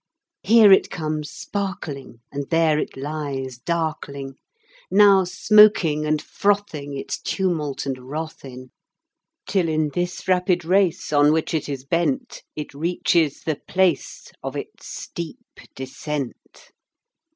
Here it comes sparkling, And there it lies darkling; Now smoking and frothing Its tumult and wrath in, Till, in this rapid race On which it is bent, It reaches the place Of its steep descent.